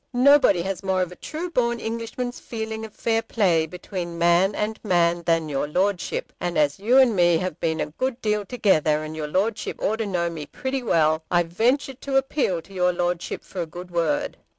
Nobody has more of a true born Englishman's feeling of fair play between man and man than your Lordship; and as you and me have been a good deal together, and your Lordship ought to know me pretty well, I venture to appeal to your Lordship for a good word.